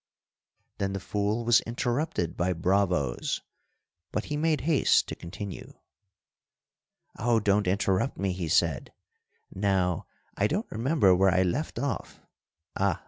Then the fool was interrupted by bravos, but he made haste to continue. "Oh, don't interrupt me!" he said. "Now I don't remember where I left off—ah!